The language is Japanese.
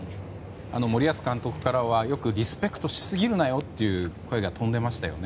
森保監督からはよくリスペクトしすぎるなよという声が飛んでいましたよね。